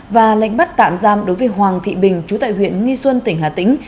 và lệnh bắt tạm giam đối với hoàng thị bình chú tại huyện nghi xuân tỉnh hà tĩnh